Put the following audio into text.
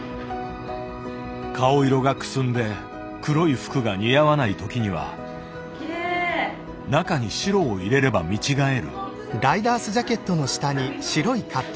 顔色がくすんで黒い服が似合わない時には中に白を入れれば見違える。